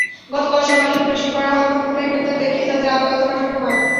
গতকাল সকালে পুলিশের করা হত্যা মামলায় গ্রেপ্তার দেখিয়ে তাঁদের আদালতে পাঠানো হয়।